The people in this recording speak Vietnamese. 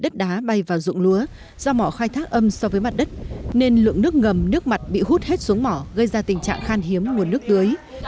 đất đá bay vào dụng lúa do mỏ khai thác âm so với mặt đất nên lượng nước ngầm nước mặt bị hút hết xuống mỏ gây ra tình trạng khan hiếm nguồn nước tưới